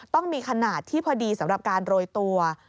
ต้องมีขนาดที่พอดีสำหรับการโรยตัว